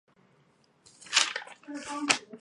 北海道医疗大学站的铁路车站。